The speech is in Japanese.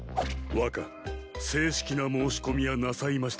若正式な申し込みはなさいましたか？